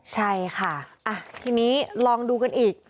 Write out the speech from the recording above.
ใช่ค่ะทีนี้ลองดูกันอีก